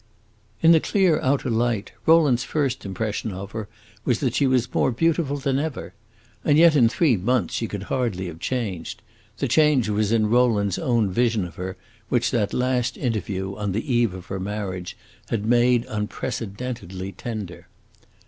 In the clear outer light, Rowland's first impression of her was that she was more beautiful than ever. And yet in three months she could hardly have changed; the change was in Rowland's own vision of her, which that last interview, on the eve of her marriage, had made unprecedentedly tender.